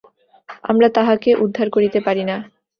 আমরা তাহাকে উদ্ধার করিতে পারি না।